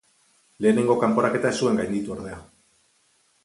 Lehenengo kanporaketa ez zuen gainditu ordea.